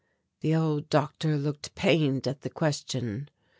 The old doctor looked pained at the question.